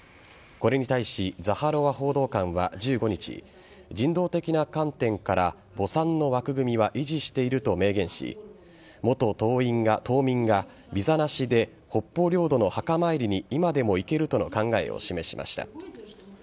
これに対しザハロワ報道官は１５日人道的な観点から墓参の枠組みは維持していると明言し元島民がビザなしで北方領土の墓参りに今でも行けるとの考えを示しました。